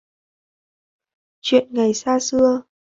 Chuyện ngày xa xưa